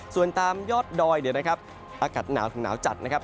ส่วนตามยอดดอยเนี่ยนะครับอากาศหนาวถึงหนาวจัดนะครับ